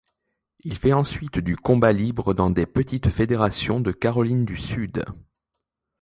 Il fait ensuite du combat libre dans des petites fédérations de Caroline du Sud.